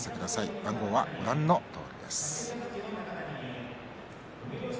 番号はご覧のとおりです。